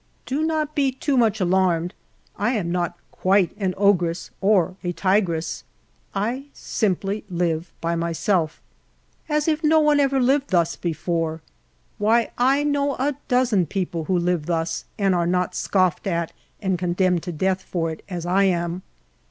Do not be too much alarmed ; I am not quite an ogress or a tigress. I simply live by myself. As if no one ever lived thus before ! Why, I know a dozen people who live thus, and are .not scoffed at and condemned to death for it as I am.